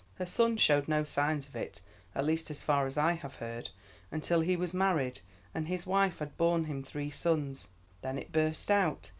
Her son showed no signs of it, at least as far as I have heard, until he was married and his wife had borne him three sons. Then it burst out.